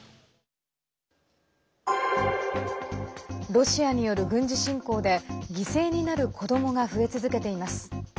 ロシアによる軍事侵攻で犠牲になる子どもが増え続けています。